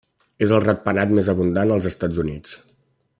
És el ratpenat més abundant als Estats Units.